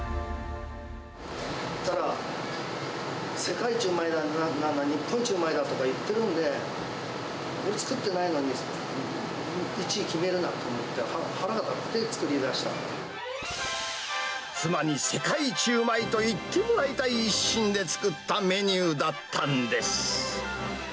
そしたら、世界一うまいだの、日本一うまいだとか言ってるんで、俺作ってないのに、１位決めるなと思って、妻に世界一うまいと言ってもらいたい一心で作ったメニューだったんです。